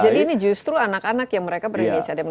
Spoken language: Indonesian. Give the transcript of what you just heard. jadi ini justru anak anak yang mereka perhubungan